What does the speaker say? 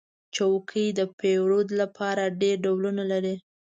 چوکۍ د پیرود لپاره ډېر ډولونه لري.